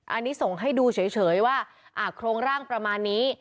อันนี้ส่งให้ดูเฉยว่าโครงร่างประมาณนี้